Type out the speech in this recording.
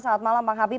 selamat malam bang habib